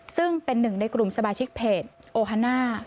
ซึ่งเป็นหนึ่งในกลุ่มสมาชิกเพจโอฮาน่า